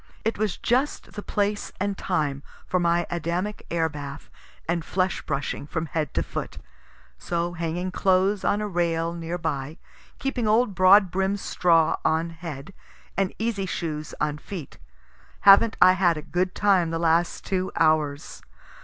It was just the place and time for my Adamic air bath and flesh brushing from head to foot. So hanging clothes on a rail near by, keeping old broadbrim straw on head and easy shoes on feet, havn't I had a good time the last two hours!